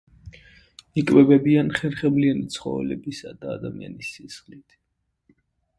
იკვებებიან ხერხემლიანი ცხოველებისა და ადამიანის სისხლით.